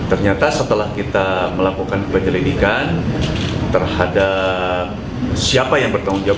ternyata setelah kita melakukan penyelidikan terhadap siapa yang bertanggung jawab